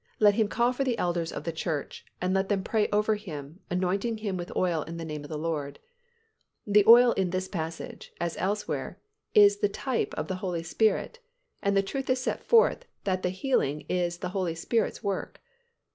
Let him call for the elders of the church; and let them pray over him, anointing him with oil in the name of the Lord." The oil in this passage (as elsewhere) is the type of the Holy Spirit, and the truth is set forth that the healing is the Holy Spirit's work.